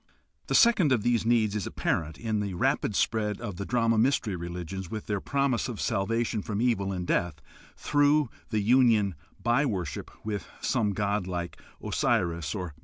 The second of these needs is apparent in the rapid spread of the drama mystery religions with their promise of salvation from evil and death through the union by worship with some god like Osiris or Mithra.